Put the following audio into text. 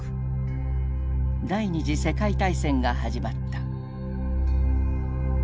第二次世界大戦が始まった。